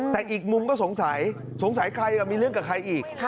แต่อีกมุมก็สงสัยสงสัยใครมีเรื่องกับใครอีก